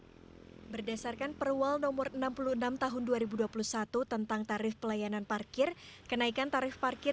hai berdasarkan perwal nomor enam puluh enam tahun dua ribu dua puluh satu tentang tarif pelayanan parkir kenaikan tarif parkir